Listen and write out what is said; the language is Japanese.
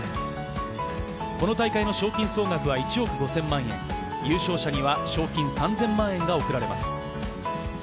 この大会の賞金総額は１億５０００万円、優勝者には賞金３０００万円が贈られます。